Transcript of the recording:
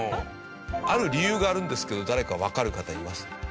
ある理由があるんですけど誰かわかる方います？